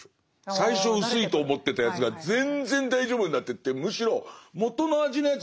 最初薄いと思ってたやつが全然大丈夫になってってむしろ元の味のやつ